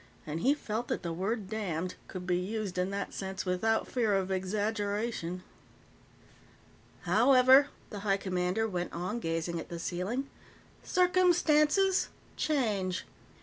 And he felt that the word "damned" could be used in that sense without fear of exaggeration. "However," the High Commander went on, gazing at the ceiling, "circumstances change.